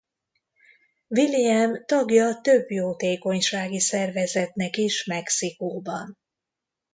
William tagja több jótékonysági szervezetnek is Mexikóban.